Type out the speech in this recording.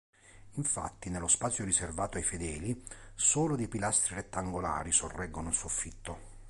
Infatti, nello spazio riservato ai fedeli, solo dei pilastri rettangolari sorreggono il soffitto.